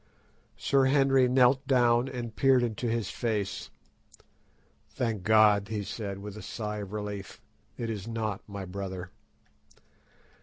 Sir Henry knelt down and peered into his face. "Thank God," he said, with a sigh of relief, "it is not my brother."